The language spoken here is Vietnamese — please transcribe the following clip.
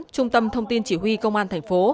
trung tâm thông tin chỉ huy công an tp